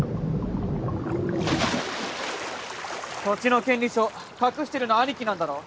土地の権利書隠してるの兄貴なんだろう？